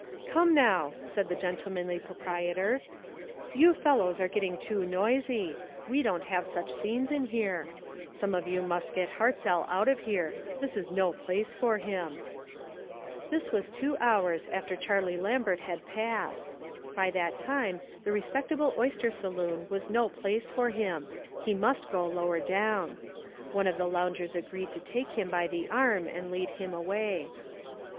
"Come, now," said the gentlemanly pro "ONLY A QUESTION OF TIME." 461 prietor, "you fellows are getting too noisy. We don't have such scenes iu here* Some of you must get Hartzell out of here ; this is no place for him." This was ,two hours after Charlie Lam bert had passed. By that time the re spectable oyster saloon was no place for him. He must go lower down. One of the loungers agreed to take him by the arm and lead him away.